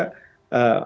tentang keadilan itu